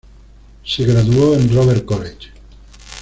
Se graduó en Robert College.